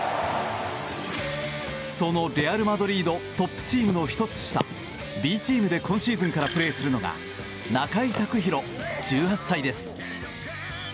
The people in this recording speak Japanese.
そのレアル・マドリードトップチームの１つ下Ｂチームで今シーズンからプレーするのが中井卓大、１８歳です。